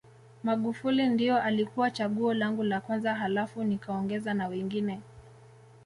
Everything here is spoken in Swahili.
Magufuli ndio alikuwa chaguo langu la kwanza halafu nikaongeza na wengine